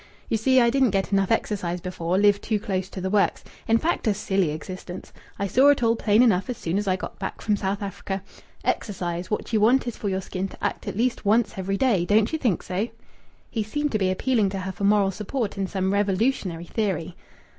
"You see, I didn't get enough exercise before. Lived too close to the works. In fact, a silly existence. I saw it all plain enough as soon as I got back from South Africa.... Exercise! What you want is for your skin to act at least once every day. Don't you think so?" He seemed to be appealing to her for moral support in some revolutionary theory.